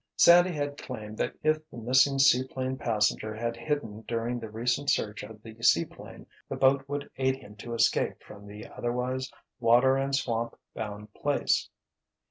Sandy had claimed that if the missing seaplane passenger had hidden during the recent search of the seaplane, the boat would aid him to escape from the otherwise water and swamp bound place.